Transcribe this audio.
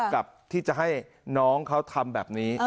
กับที่จะให้น้องเขาทำแบบนี้